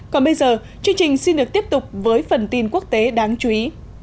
còn bây giờ chương trình xin được tiếp tục với phần tin quốc tế đáng chú ý